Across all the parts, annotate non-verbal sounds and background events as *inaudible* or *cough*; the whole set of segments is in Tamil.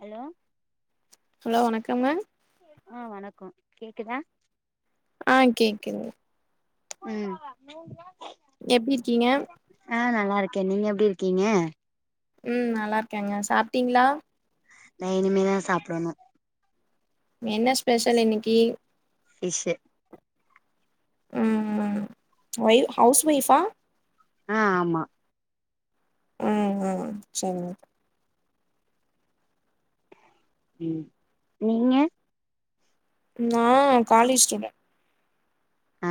ஹலோ ஹலோ வணக்கம்ங்க அ வணக்கோ கேக்குதா அ கேக்குதுங் ம் எப்டி இர்க்கீங்க அ நல்லாருக்கே நீங்க எப்டி இருக்கீங்க ம் நல்லார்க்கேங்க சாப்ட்டீங்ளா நா இனிமேதா சாப்டணு என்ன ஸ்பெஷல் இன்னிக்கி ஃபீஷ்ஷு ம்ம் ஒய் ஹவுஸ் ஒய்ஃபா அ ஆமா அ அ சேரிங்க ம் நீங்க நா காலேஜ் ஸ்டூடண் அ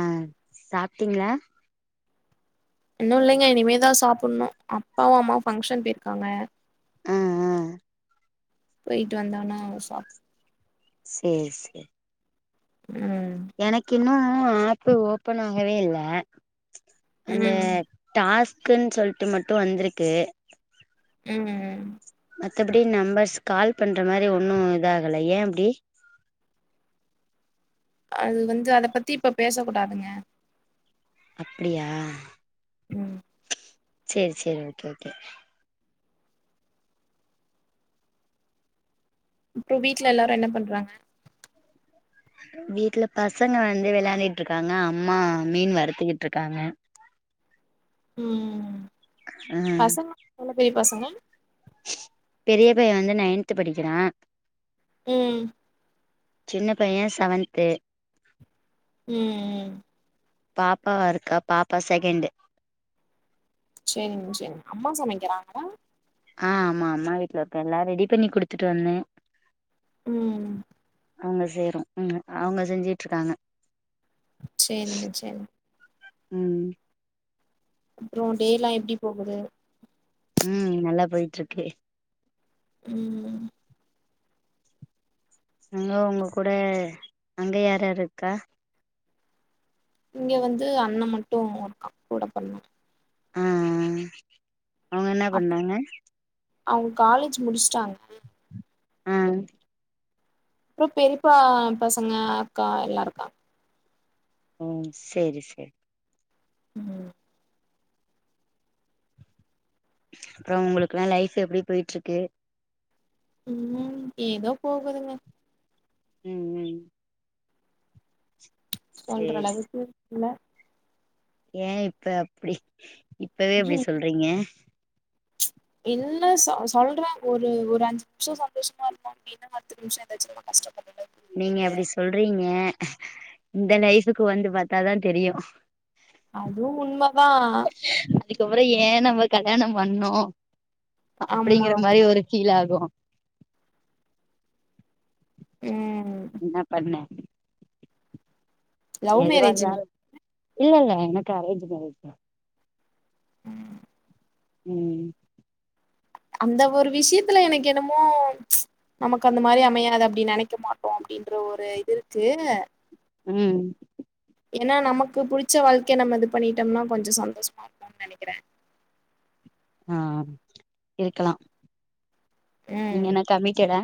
சாப்ட்டிங்ளா இன்னு இல்லைங்க இனிமேதா சாப்புட்ணு அப்பாவு அம்மாவு ஃபங்க்ஷன் பேய்ர்க்காங்க ஆ ஆ பெய்ட்டு வந்தவன சாப் சேர் சேர் ம் எனக்கு இன்னு ஆப்பு ஓப்பன் ஆகவேல்ல அந்த ம் டாஸ்க்குன் சொல்ட்டு மட்டு வந்துருக்கு ம்ம் மத்தப்புடி நம்பர்ஸ் கால் பண்ற மாரி ஒன்னு இதாகல ஏ அப்டி அது வந்து அத பத்தி இப்ப பேசக்குடாதுங்க அப்டியா ம் சேரி சேரி ஓகே ஓகே இப்ப வீட்ல எல்லாரு என்ன பண்றாங்க வீட்ல பசங்க வந்து வெள்ளாண்டிட்ருக்காங்க அம்மா மீன் வறுத்துக்கிட்ருக்காங்க ம்ம் ம் ம் பசங்க நல்ல பெரிய பசங்க பெரிய பைய வந்து நைன்த் படிக்கிறா ம் சின்ன பைய சவன்த்து ம் ம் பாப்பா இருக்கா பாப்பா செகேண்டு் செரிங்க செரிங்க அம்மா சமைக்கிறாங்களா அ ஆமா அம்மா வீட்ல இருக்கே எல்லா ரெடி பண்ணி குடுத்துட்டு வந்தே ம்ம் அவுங்க சேரு ம் அவுங்க செஞ்சுட்ருக்காங்க சேரிங்க சேரி ம் அப்பறோ டேலா எப்டி போகுது ம் நல்லா போயிட்ருக்கு ம்ம் அங்க ஒங்க கூட அங்க யார் யார் இருக்கா இங்க வந்து அண்ணெ மட்டு இருக்கா கூட பொறந்தவெ அஅ அவுங்க என்ன பண்றாங்க அவுங்க காலேஜ் முடுஸ்ட்டாங்க அ அப்பறோ பெரிப்பா பசங்க அக்கா எல்லாருக்காங்க ம் சேரி சேர் ம் அப்பறோ ஒங்களுக்லா லைஃப் எப்டி போயிட்ருக்கு ம் ஏதோ போகுதுங்க ம் ம் சேரி சே சொல்றளவுக்கு இல்ல ஏ இப்ப அப்டி இப்பவே அப்டி சொல்றீங்க இல்ல சொ சொல்றே ஒரு ஒரு அஞ்சு நிமிஷ சந்தோஷமாருந்தாலுமே இன்னோ பத்து நிமிஷோ ஏதாச்சு நம்ப கஷ்டப்பட்டுட்டு நீங்க அப்டி சொல்றீங்க இந்த லைஃப்புக்கு வந்து பாத்தா தா தெரியு அதுவு உண்மதா அதுக்கப்பறோ ஏ நம்ம கல்யாணோ பண்ணோ ஆமா அப்டிங்கிற ஆமா மாரி ஒரு ஃபீல் ஆகு ம் ம் என்னா பண்ணே லவ் எது மேரேஜுங்க வந்தாலு இல்லல்ல எனக்கு அரேஞ்ச்சு மேரேஜ் தா ம் ம் அந்த ஒரு விஷயத்துல எனக்கு என்னமோ நமக்கு அந்த மாரி அமையாது அப்டி நெனைக்க மாட்டோ அப்டின்ற ஒரு இது இருக்கு ம் ஏனா நமக்கு புடுச்ச வாழ்க்கையை நம இது பண்ணிட்டம்னா கொஞ்சோ சந்தோஷமா இருக்குன் நெனைக்கிறே ஆ இருக்கலா நீங்க ம் என்னா கமிட்டடா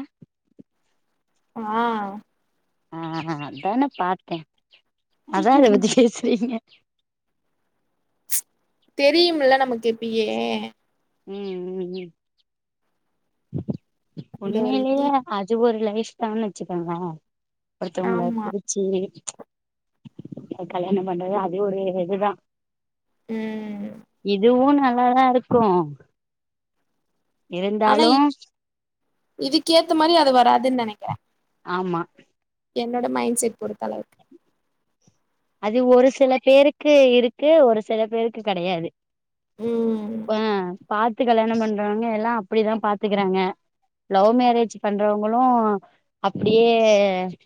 ஆ ஆ அதான பாத்தே அதா அத பத்தி பேசுறீங்க தெரியுமுல்ல நமக்கு இப்பயே ம் ம் ம் இந்த ஒரு இது உண்மேலயே அது ஒரு லைஃப் தான் வச்சுக்கோங்க ஒருத்தவுங்கள ஆமா புடிக் சேரி அ கல்யாண பண்றது அது ஒரு இதுதா ம் இதுவு நல்லாதா இருக் கூ எல் ஆனா இ இதுக்கேத்த மாரி அது வராதுன் நெனக்கிறே ஆமா என்னோட மைண்ட் செட் பொறுத்தளவுக் அது ஒரு சில பேருக்கு இருக்கு ஒரு சில பேருக்கு கடையாது ம் ஆ பாத்து கல்யாண பண்றவங்க எல்லா அப்டிதா பாத்துக்கிறாங்க லவ் மேரேஜ் பண்றவங்களு அப்டியே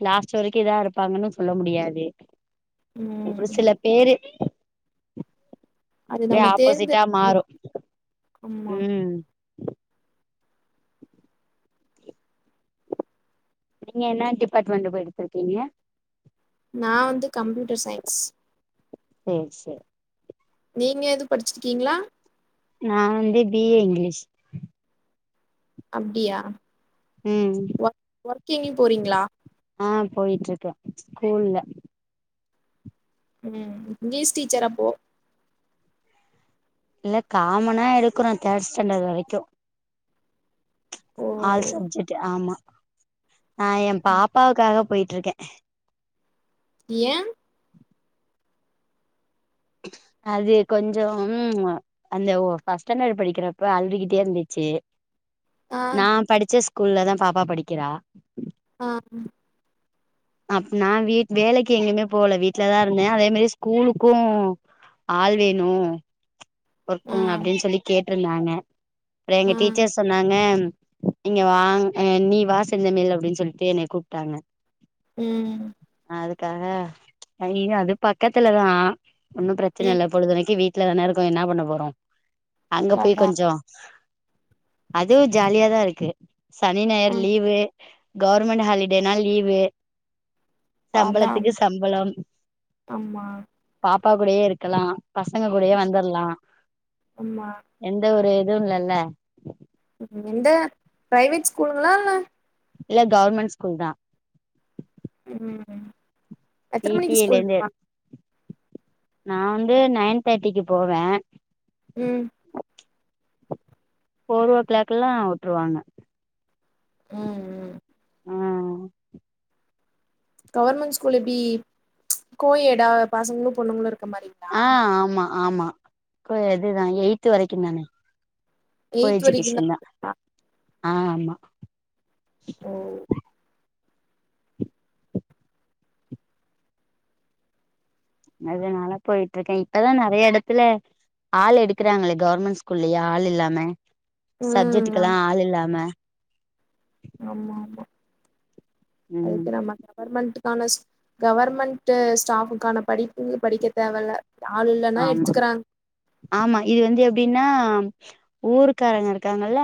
லாஸ்ட் வரைக்கூ இதா இருப்பாங்கனு சொல்ல முடியாது ம் ஒரு சில பேரு அது அப்டியே நம்ம ஆப்போசிட்டா தேர்ந்தெடுக்கணு மாறு ஆமா ம் நீங்க என்ன டிபார்ட்மெண்ட் போ எடுத்திருக்கீங்க நா வந்து கம்ப்யூட்டர் சயின்ஸ் ஓச நீங்க எது படிச்சிருக்கீங்களா நா வந்து பி ஏ இங்க்லிஷ் அப்டியா ம் ஒர் ஒர்க் எங்கயு போறீங்களா ஆ போயிட்ருக்க ஸ்கூல்ல ம் இங்க்லீஷ் டீச்சராப்போ இல்ல காமனா எடுக்கறோ தேர்ட் ஸ்டாண்டர் வரைக்கூ ஓ ஆல் சப்ஜெக்ட்டு ஆமா நா ஏ பாப்பாவுக்காக போயிட்ருக்கே ஏ அது கொஞ்சோ ம்மா அந்த ஓ பஸ்ட் ஸ்டாண்டர் படிக்கிறப்போ அழுகிட்டே இருந்துச்சு ஆ நா படிச்ச ஸ்கூல்லதா பாப்பா படிக்கிறா ஆ ம் அப்ப நா வீட் வேலைக்கு எங்கயுமே போல வீட்லதா இருந்தே அதே மாரி ஸ்கூலுக்கு ஆள் வேணு ஆ ஒருத்தங்க அப்டின் சொல்லி கேட்ருந்தாங்க அப்றோ எங்க ஆ டீச்சர்ஸ் சொன்னாங்க நீங்க வாங் அ நீ வா செந்தமிழ் அப்டினு சொல்ட்டு என்னய கூப்ட்டாங்க ம் அதுக்காக அய்யயோ அது பக்கத்துலதா ஒன்னு ப்ரச்சன ம் இல்ல பொழுதென்னைக்கு வீட்ல தான இருக்கோ என்னா பண்ண போறோ அங்க போய் அதான் கொஞ்சோ அதுவு ஜாலியாதா இருக்கு சனி ஞாயர் ம் லீவு கவுர்மெண்ட் ஹாலிடேனா லீவு அதான் சம்பளத்துக்கு சம்பளம் ஆமா பாப்பா கூடயு இருக்கலா பசங்க கூடயு வந்துர்லா அம்மா எந்த ஒரு இதுவு இல்லல்ல ம் இந்த பிரைவேட் ஸ்கூலுங்களா இல்ல இல்ல கவுர்மெண் ஸ்கூல் தா ம் ம் பி எத்தன டி மணிக்கு எ ஸ்கூல் லேந்து இருப்பா நா வந்து நைன் தேட்டிக்கு போவ ம் ஃபோரோ க்ளாக்கெல்லா உட்ருவாங்க ம் ம் அ கவர்மெண்ட் ஸ்கூல் எப்டி கோயேடா பசங்களு பொண்ணுங்களு இருக்க மாரி ஆ ஆமா ஆமா கோயெடுதா எய்த்து வரைக்குந்தான கோ எயித் வரைக்குந்தா எஜுகேஷன் தா ஆமாமா ஓ அதனால போய்ட்ருக்கே இப்பதா நெறையா எடத்துல ஆள் எடுக்கறாங்களே கவர்மெண்ட் ஸ்கூல்லயே ஆள் இல்லாம ம் சப்ஜெக்ட்டுக்கெல்லா ஆம் ஆள் இல்லாம ஆமாமா ம் அதுக்கு நம்ம *inaudible* கவர்மெண்ட்டுக்கான கவர்மெண்ட்டு ஸ்டாஃபுக்கான படிப்பு படிக்க தேவல்ல ஆள் இல்லனா ஆமா எடுத்துக்கறாங் ஆமா இது வந்து எப்டின்னா ஊருக்காரங்க இருக்காங்கல்ல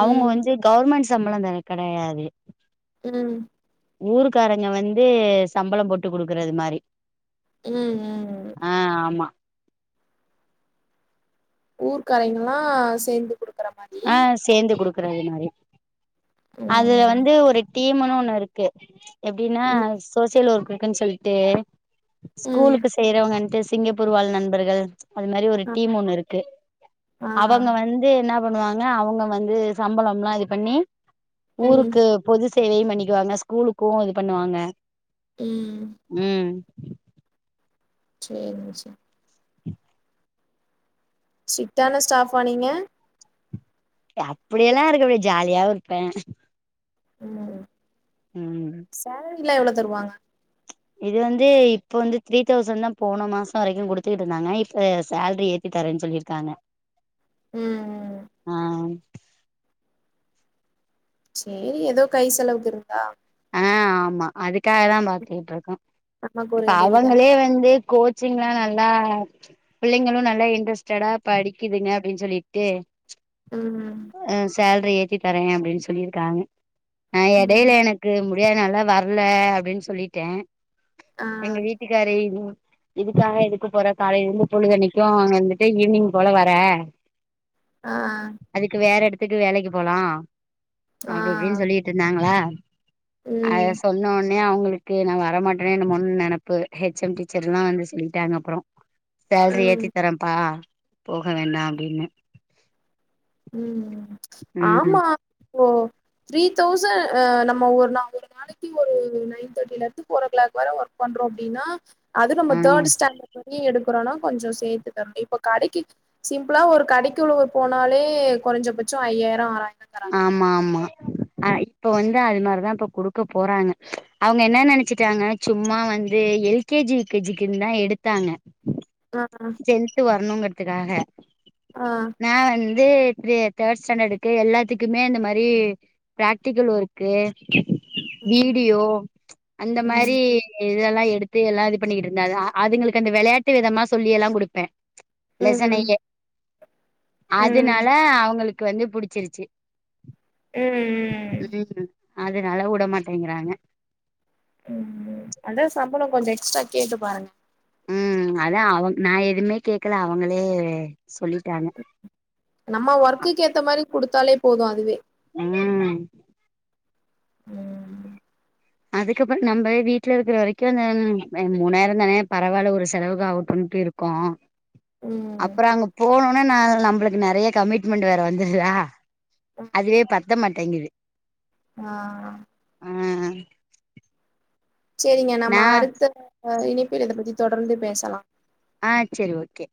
அவுங்க ம் வந்து கவர்மெண்ட் சம்பளோ தான கெடையாது ம் ஊருக்காரங்க வந்து சம்பளோ போட்டு குடுக்கறது மாரி ம் ம் ஆ ஆமா ஊர்க்காரய்ங்கெல்லா சேந்து குடு ஆ சேந்து குடுக்றது மாரி அதுல ம் வந்து ஒரு டீமுன்னு ஒன்னு இருக்கு எப்டினா ம் சோசியல் ஒர்க்குக்குன் சொல்ட்டு ம் ஸ்கூலுக்கு செய்றவங்கன்ட்டு சிங்கப்பூர் வாழ் நண்பர்கள் அது மாரி ஒரு அ டீம் ஒன்னுருக்கு ஆ அவங்க வந்து என்னா பண்ணுவாங்க அவங்க வந்து சம்பளம்லா இது பண்ணி ம் ஊருக்கு பொது சேவையு பண்ணிக்குவாங்க ஸ்கூலுக்கு இது பண்ணுவாங்க ம் ம் சேரிங்க செரி ஸ்ட்ரிட்டான ஸ்டாஃபா நீங்க ஏ அப்பிடியெல்லா இருக்க அப்டே ஜாலியாவு இருப்பே ம் ம் சேலரிலா எவ்ளோ தருவாங்க இது வந்து இப்ப வந்து த்ரீ தௌசண் தா போன மாசோ வரைக்கு குடுத்துகிட்ருந்தாங்க இப்ப சேல்ரி ஏத் தி தரேன் சொல்லீர்க்காங்க ம் ஆ சேரி எதோ கை செலவுக் இருக்கா ஆ ஆமா அதுக்காக தா பாத்துகிட்ருக்கோ நமக்கு இப்ப ஒரு உதவி தான அவங்களே வந்து கோ ச்சிங்லா நல்லா பிள்ளைங்களு நல்லா இன்ட்ரெஸ்டடா படிக்கிதுங்க அப்டின் சொல்லீட்டு ம் ம் அ சேல்ரி ஏத்தி தரே அப்டின் சொல்லீர்க்காங்க ஆ எடைல ம் எனக் முடியாது நாலா வர்ல அப்டின் சொல்லிட்டே ஆ எங்க வீட்டுக்காரு *inaudible* இதுக்காக எதுக்கு போற காலைலர்ந்து பொழுதன்னைக்கு அங்கர்ந்துட்டு ஈவ்னிங் போல வர ஆ அதுக்கு வேற எடத்துக்கு வேலைக்கு போலா ஆ அப்டி இப்டின் சொல்லி ட்ருந்தாங்ளா ம் அத சொன்னோன்னையு அவுங்களுக்கு நா வரமாட்டனோ என்னமோன் நெனப்பு ஹெச் எம் டீச்சர்லா வந்து சொல்லிட்டாங்க அப்றோ சேல்ரி ம் ஏத்தி தரேன்ப்பா போக வேணா அப்டின்னு ம் ம் ஆமா இப்போ த்ரீ தௌசண்ட் நம்ம ஒரு நா ஒரு நா நாளைக்கு ஒரு நைன் தேர்டிலருந்து ஃப்ரோ க்ளாக் வர ஒர்க் பண்றோ அப்டின்னா அது நம்ம ஆ தேர்ட் ஸ்டாண்ட் பண்ணி எடுக்கறோம்னா கொஞ்சோ சேத்து தரணு இப்ப கடைக்கு சிம்பிளா ஒரு கடைக்கு இவ்ளோ போனாலே இது குறைஞ்சபட்ச ஐயாயிர ஆறாயிரோ தராங்க ஆமா ஆமா அ இப்ப வந்து அது மாரிதா இப்ப குடுக்க போறாங்க அவங்க என்ன நினைச்சுட்டாங்க சும்மா வந்து எழ் K G U K G க்குன் தா எடுத்தாங்க ஆ டென்த் வரணுங்கிறதுக்காக ஆ நா வந்து வந்து தே தே தேர்ட் ஸ்டாண்டர்ட்க்கு எல்லாத்துக்குமே இந்த மாரி பிராக்டிகல் ஒரு க்கு வீடியோ அந்த ம் மாரி இதெல்லா எடுத்து எல்லா இது பண்ணிக்கிட்டு இருந்தா அதுங்களுக்கு அந்த விளையாட்டு விதமா சொல்லி எல்லா குடுப்ப ம் லெசனையே ம் அதனால அவங்களுக்கு வந்து புடிச்சிருச்சு ம் ம் ம் அதனால உட மாட்டங்கிறாங்க ம் அதா சம்பள கொஞ்சோ எக்ஸ்ட்ரா கேட்டு பாருங்க ம் அதா அவ நா எதுமே கேக்கல அவங்களே சொல்லிட்டாங்க நம்ம ஒர்க்குக்கு ஏத்த மாரி குடுத்தாலே போது அதுவே ம் ம் அதுக்கப்பற நம்ம வீட்ல இருக்குற வரைக்கு அந்த மூணாயிர தான பரவால்ல ஒரு செலவுக்கு ஆவு டொன்டி இருக்கு ம் அப்ற அங்க போனோன்னே நம்மளுக்கு நெறய கமிட்மெண்ட் வேற வந்துருதா அதுவே பத்த மாட்டேங்குது ஆ ஆ சேரிங்க நா நம்ம அடுத்த இணைப்பில் இத பத்தி தொடர்ந்து பேசலா ஆ செரி ஓகே